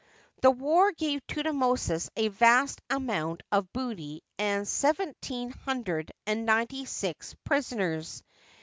The war gave Thutmosis a vast amount of booty and seventeen hundred and ninety six prisoners.